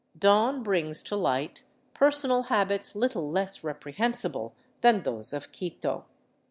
Dawn brings to light personal habits little less reprehensible than those of Quito.